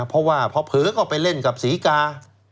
เพราะว่าพอเผลอเข้าไปเล่นกับศรีกา